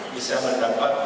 bisa mendapatkan hak haknya